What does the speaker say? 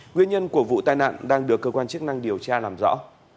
nguyên nhân của vụ tai nạn đang được cơ quan chức năng điều tra làm rõ